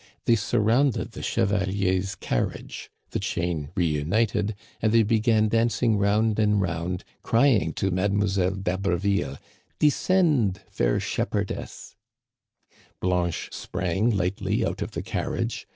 They surrounded the chevalier's carriage, the chain reunited, and they began dancing round and round, crying to Mademoiselle d'Haberville, Descend, fair shepherdess." Blanche sprang lightly out of the carriage.